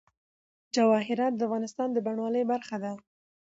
جواهرات د افغانستان د بڼوالۍ برخه ده.